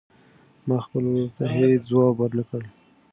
ما خپل ورور ته هېڅ ځواب ورنه کړ.